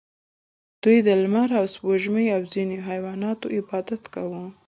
دوی د لمر او سپوږمۍ او ځینو حیواناتو عبادت کاوه